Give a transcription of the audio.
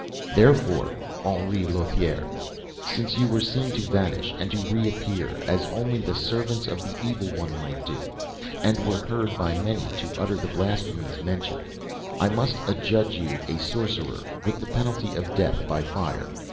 "Therefore, Henri Lothiere, since you were seen to vanish and to reappear as only the servants of the evil one might do, and were heard by many to utter the blasphemies mentioned, I must adjudge you a sorcerer with the penalty of death by fire.